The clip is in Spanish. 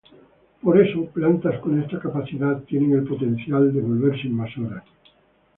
Por eso plantas con esta capacidad tienen el potencial de volverse invasoras.